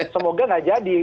semoga nggak jadi